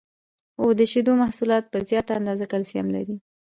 هو د شیدو محصولات په زیاته اندازه کلسیم لري